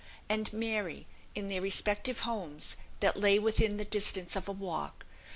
and "Mary," in their respective homes, that lay within the distance of a walk.